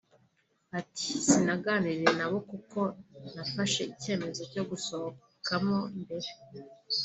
Ati “Sinaganiriye nabo kuko nafashe icyemezo cyo gusohokamo mbere